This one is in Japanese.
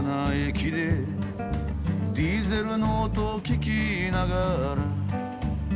「ディーゼルの音を聞きながら」